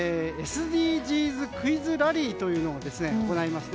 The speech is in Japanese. ＳＤＧｓクイズラリーというのを行います。